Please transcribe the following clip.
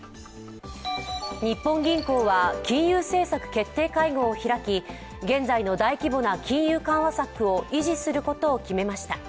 日本銀行は金融政策決定会合を開き、現在の大規模な金融緩和策を維持することを決めました。